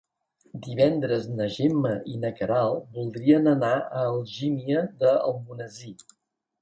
Divendres na Gemma i na Queralt voldrien anar a Algímia d'Almonesir.